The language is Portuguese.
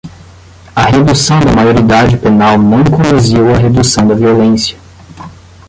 A redução da maioridade penal não conduziu à redução da violência